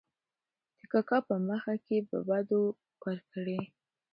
د کاکا په مخکې په بدو کې ور کړې .